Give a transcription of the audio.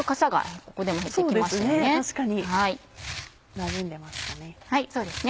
なじんでますかね。